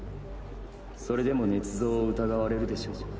それでも捏造を疑われるでしょう。